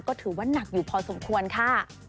ก็ถือว่าหนักอยู่พอสมควรค่ะ